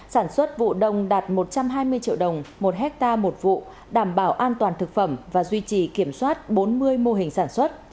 sản xuất vụ đông đạt một trăm hai mươi triệu đồng một hectare một vụ đảm bảo an toàn thực phẩm và duy trì kiểm soát bốn mươi mô hình sản xuất